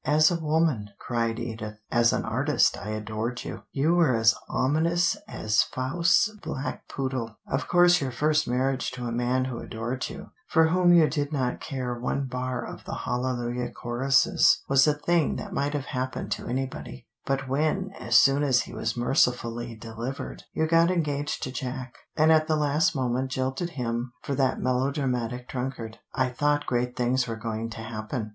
"As a woman," cried Edith; "as an artist I adored you. You were as ominous as Faust's black poodle. Of course your first marriage to a man who adored you, for whom you did not care one bar of the 'Hallelujah chorus,' was a thing that might have happened to anybody; but when, as soon as he was mercifully delivered, you got engaged to Jack, and at the last moment jilted him for that melodramatic drunkard, I thought great things were going to happen.